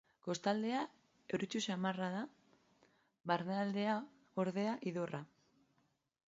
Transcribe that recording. Kostaldea euritsu xamarra da; barnealdea, ordea, idorra.